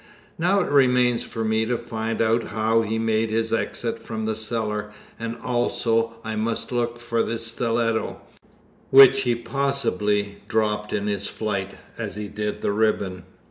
Now it remains for me to find out how he made his exit from the cellar; and also I must look for the stiletto, which he possibly dropped in his flight, as he did the ribbon."